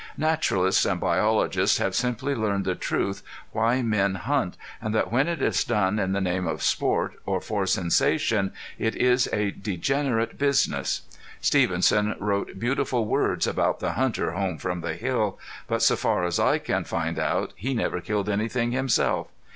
Naturalists and biologists have simply learned the truth why men hunt, and that when it is done in the name of sport, or for sensation, it is a degenerate business. Stevenson wrote beautiful words about "the hunter home from the hill," but so far as I can find out he never killed anything himself.